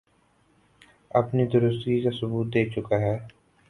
اپنی درستگی کا ثبوت دے چکا ہے